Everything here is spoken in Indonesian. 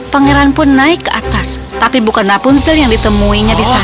pangeran pun naik ke atas tapi bukan rapunzel yang ditemuinya di sana